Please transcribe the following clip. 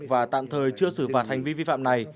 và tạm thời chưa xử phạt hành vi vi phạm này